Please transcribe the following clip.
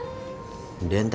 nanti abang benerin sendiri